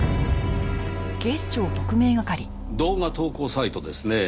動画投稿サイトですねぇ。